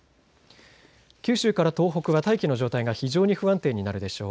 九州から東北は大気の状態が非常に不安定になるでしょう。